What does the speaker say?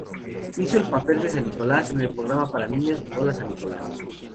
Hizo el papel de San Nicolás en el programa para niños "¡Hola San Nicolás!